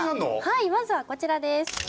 はいまずはこちらです